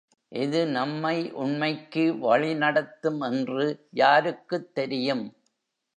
எது நம்மை உண்மைக்கு வழி நடத்தும் என்று யாருக்குத் தெரியும்?